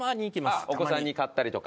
あっお子さんに買ったりとか。